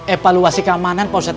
evaluasi keamanan pausat rw